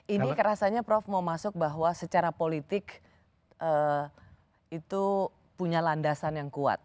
ini kerasanya prof mau masuk bahwa secara politik itu punya landasan yang kuat